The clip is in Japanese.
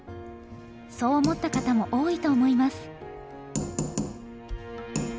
そう思った方も多いと思います。